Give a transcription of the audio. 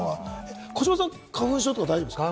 児嶋さん、花粉症とか大丈夫ですか？